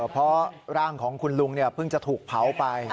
เพราะร่างของคุณลุงเพิ่งจะถูกเผาไป